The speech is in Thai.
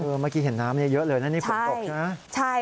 เมื่อกี้เห็นน้ำเยอะเลยนะนี่ฝนตกใช่ไหม